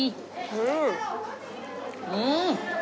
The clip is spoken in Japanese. うん！